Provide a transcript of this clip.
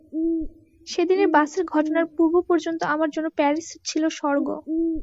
সে দিনের বাসের ঘটনার পূর্ব পর্যন্ত আমার জন্য প্যারিস ছিল স্বর্গ।